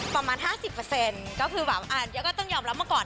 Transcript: ประมาณ๕๐ก็คือแบบเดี๋ยวก็ต้องยอมรับมาก่อน